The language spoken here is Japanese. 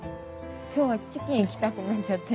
今日はチキンいきたくなっちゃって。